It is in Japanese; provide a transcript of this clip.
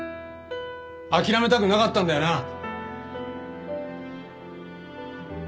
諦めたくなかったんだよな？